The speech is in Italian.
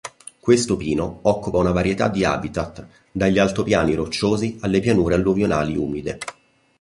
Questo pino occupa una varietà di habitat, dagli altopiani rocciosi alle pianure alluvionali umide.